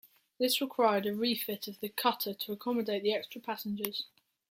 This required a refit of the cutter to accommodate the extra passengers.